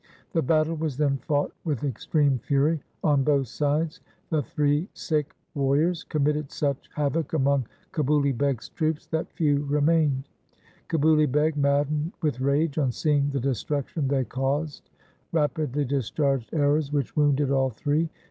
The battle was then fought with extreme fury on both sides. The three Sikh warriors committed such havoc among Kabuli Beg's troops that few remained. Kabuli Beg, maddened with rage on seeing the destruction they caused, rapidly discharged arrows which wounded all three.